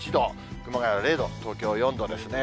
熊谷は０度、東京は４度ですね。